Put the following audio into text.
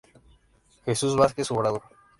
Jesús Vázquez Obrador.